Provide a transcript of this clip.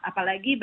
apalagi bagi mereka